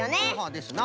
ですな。